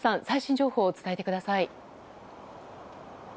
最新情報を伝えてください。